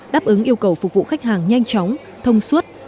đáp ứng yêu cầu phục vụ khách hàng nhanh chóng thông suốt